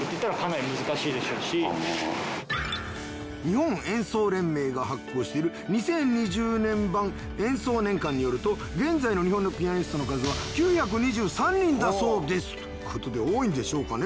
日本演奏連盟が発行している２０２０年版『演奏年鑑』によると現在の日本のピアニストの数は９２３人だそうですという事で多いんでしょうかね？